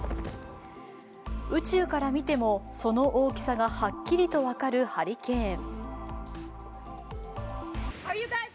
宇宙から見ても、その大きさがはっきりと分かるハリケーン。